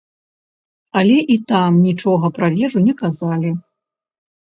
Але і там нічога пра вежу не казалі.